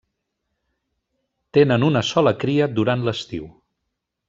Tenen una sola cria durant l'estiu.